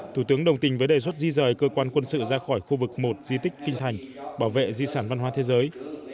thủ tướng đồng tình với đề xuất di rời cơ quan quân sự ra khỏi khu vực một di tích kinh thành bảo vệ di sản văn hóa thế giới